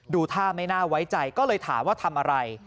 ท่าไม่น่าไว้ใจก็เลยถามว่าทำอะไร